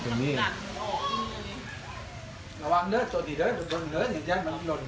สวัสดีครับคุณผู้ชาย